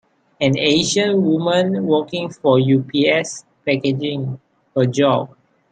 An Asian woman working for UPS packaging, her job.